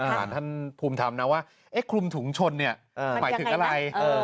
ถามท่านภูมิธรรมนะว่าคลุมถุงชนหมายถึงอะไร